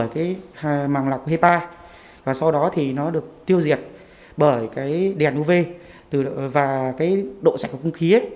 cái màng lọc hepa và sau đó thì nó được tiêu diệt bởi cái đèn uv và cái độ sạch của không khí